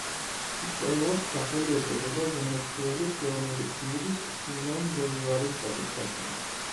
მწვერვალს სახელი ეწოდა ვენესუელის ეროვნული გმირის სიმონ ბოლივარის პატივსაცემად.